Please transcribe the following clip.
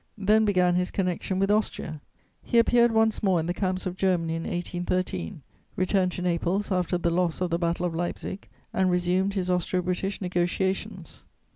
Then began his connexion with Austria. He appeared once more in the camps of Germany in 1813, returned to Naples after the loss of the Battle of Leipzig, and resumed his Austro British negociations.